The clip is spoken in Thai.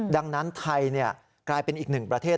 ดังนั้นไทยกลายเป็นอีกหนึ่งประเทศ